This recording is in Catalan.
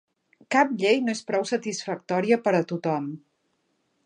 Cap llei no és prou satisfactòria per a tothom.